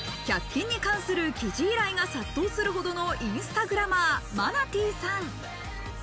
百均に関する記事依頼が殺到するほどのインスタグラマー、マナティさん。